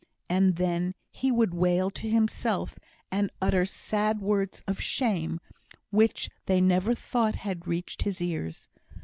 And then he would wail to himself, and utter sad words of shame, which they never thought had reached his ears.